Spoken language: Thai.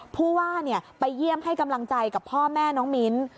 ผู้ว่าไปเยี่ยมให้กำลังใจกับพ่อแม่น้องมิ้น